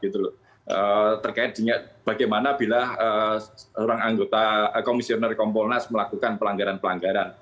terkait dengan bagaimana bila seorang anggota komisioner kompolnas melakukan pelanggaran pelanggaran